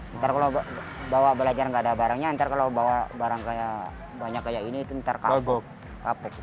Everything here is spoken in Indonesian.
nanti kalau bawa belajar tidak ada barangnya nanti kalau bawa banyak seperti ini nanti kaput